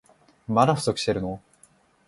まだ不足してるの？